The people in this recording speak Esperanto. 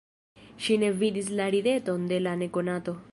Ŝi ne vidis la rideton de la nekonato.